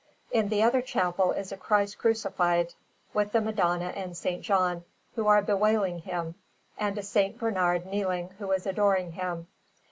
In the other chapel is a Christ Crucified, with the Madonna and S. John, who are bewailing Him, and a S. Bernard kneeling, who is adoring Him.